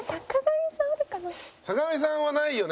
坂上さんはないよね。